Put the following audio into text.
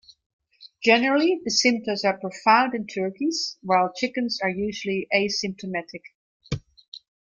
Generally, the symptoms are profound in turkeys, while chickens are usually asymptomatic.